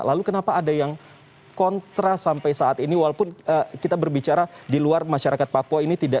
lalu kenapa ada yang kontra sampai saat ini walaupun kita berbicara di luar masyarakat papua ini tidak